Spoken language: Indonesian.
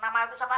nama itu siapa